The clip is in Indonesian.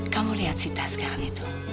kamu lihat sita sekarang itu